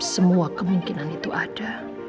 semua kemungkinan itu ada